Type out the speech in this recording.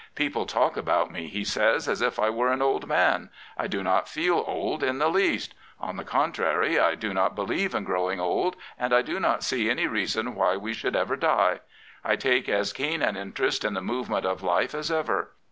People talk about me," he says, " as if I were an old man. I do not feel old in the least. On the contrary, I do not believe in growing old, and I do not see any reason why we should ever die. I take as keen an interest in the movement of life as ever.